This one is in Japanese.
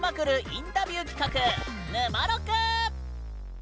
インタビュー企画「ぬまろく」！